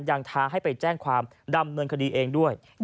ท้าให้ไปแจ้งความดำเนินคดีเองด้วย